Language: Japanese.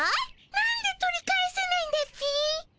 なんで取り返せないんだっピ？